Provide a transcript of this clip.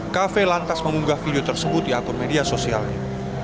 kafe lantas mengunggah video tersebut di akun media sosialnya